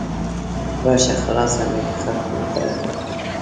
راشه خلاصه مې د خلګو له پیغور کړه